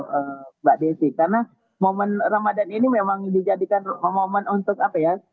mbak desi karena momen ramadan ini memang dijadikan momen untuk apa ya